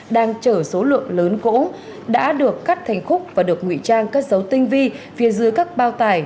đang chở số lượng lớn gỗ đã được cắt thành khúc và được ngụy trang cất dấu tinh vi phía dưới các bao tải